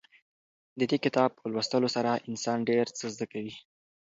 د دې کتاب په لوستلو سره انسان ډېر څه زده کوي.